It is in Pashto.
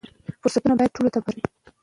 فرصتونه باید ټولو ته برابر وي.